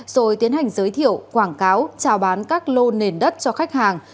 rồi tiến hành giới thiệu quảng cáo trào bán các lô nền đất cho khách hàng